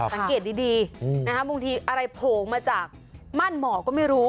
สังเกตดีบางทีอะไรโผล่มาจากม่านหมอก็ไม่รู้